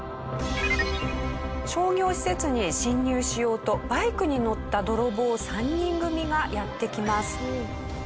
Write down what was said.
商業施設に侵入しようとバイクに乗った泥棒３人組がやって来ます。